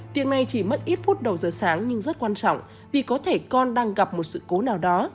việc này chỉ mất ít phút đầu giờ sáng nhưng rất quan trọng vì có thể con đang gặp một sự cố nào đó